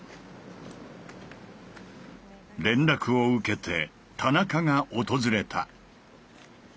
連絡を受けて田中が訪れた。